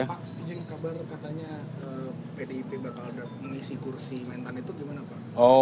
pak izin kabar katanya pdip bakal mengisi kursi mentan itu gimana pak